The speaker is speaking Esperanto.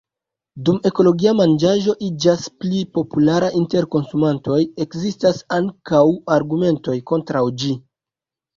Dum ekologia manĝaĵo iĝas pli populara inter konsumantoj, ekzistas ankaŭ argumentoj kontraŭ ĝi.